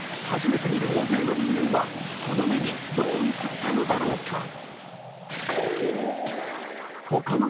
初めて見る大勢の人間はその目にどう映ったのだろうか。